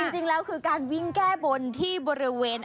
จริงแล้วคือการวิ่งแก้บนที่บริเวณ